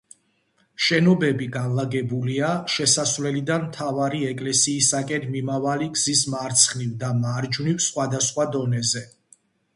შენობები განლაგებულია, შესასვლელიდან მთავარი ეკლესიისაკენ მიმავალი გზის მარცხნივ და მარჯვნივ სხვადასხვა დონეზე.